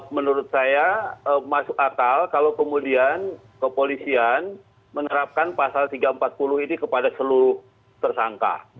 menurut saya masuk akal kalau kemudian kepolisian menerapkan pasal tiga ratus empat puluh ini kepada seluruh tersangka